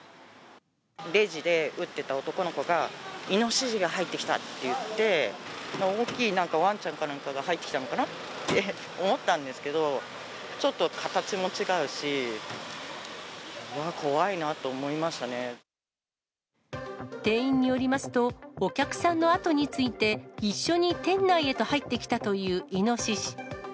レジで打ってた男の子が、イノシシが入ってきたって言って、大きいわんちゃんかなんかが入ってきたのかなって思ったんですけど、ちょっと形も違うし、わー、店員によりますと、お客さんの後について一緒に店内へと入ってきたというイノシシ。